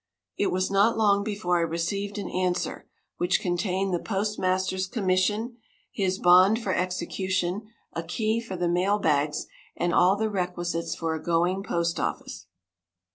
It was not long before I received an answer, which contained the postmaster's commission, his bond for execution, a key for the mail bags, and all the requisites for a going postoffice.